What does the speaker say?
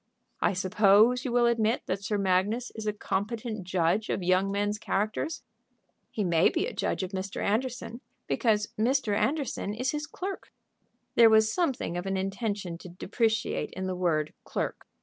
"I suppose you will admit that Sir Magnus is a competent judge of young men's characters?" "He may be a judge of Mr. Anderson, because Mr. Anderson is his clerk." There was something of an intention to depreciate in the word "clerk."